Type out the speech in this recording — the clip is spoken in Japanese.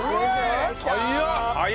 早っ！